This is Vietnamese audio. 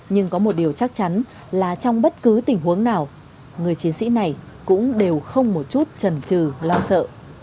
nhưng có một điều chắc chắn là trong bất cứ tình huống nào người chiến sĩ này cũng đều không một chút trần trừ lo sợ